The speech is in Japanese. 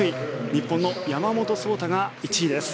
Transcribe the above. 日本の山本草太が１位です。